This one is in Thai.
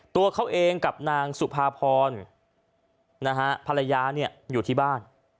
ตัวเขาเองกับนางสุภาพรภรรยาอยู่ที่บ้าน